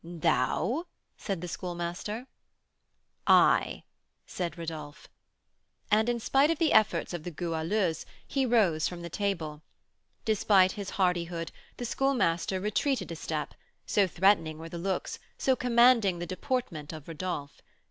"Thou?" said the Schoolmaster. "I!" said Rodolph. And, in spite of the efforts of the Goualeuse, he rose from the table. Despite his hardihood, the Schoolmaster retreated a step, so threatening were the looks, so commanding the deportment, of Rodolph.